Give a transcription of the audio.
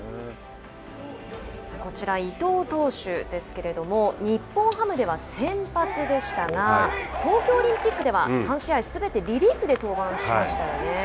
こちら、伊藤投手ですけれども日本ハムでは先発でしたが東京オリンピックでは３試合すべてリリーフで登板しましたよね。